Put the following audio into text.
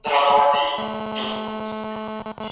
ايا د پوهي خاوندان تل رښتينې خبري کوي؟